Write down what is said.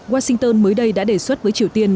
washington mới đây đã đề xuất với triều tiên